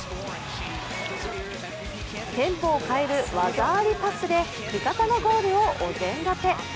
テンポを変える技ありパスで味方のゴールをお膳立て。